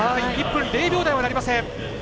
１分０秒台はなりません。